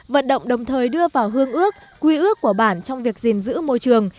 vận động đồng thời đưa vào hương ước quy ước của bản trong việc gìn giữ môi trường